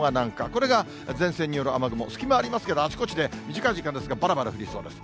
これが前線による雨雲、隙間ありますけど、あちこちで短い時間ですが、ばらばら降りそうです。